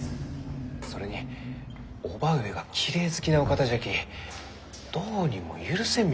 それに叔母上がきれい好きなお方じゃきどうにも許せんみたいじゃ。